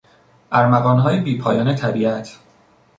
ارمغانهای بیپایان طبیعت